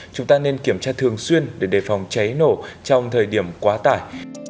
chúng ta nên kiểm tra thường xuyên để đề phòng cháy nổ trong thời điểm quá tải